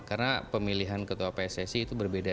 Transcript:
karena pemilihan ketua pssi itu berbeda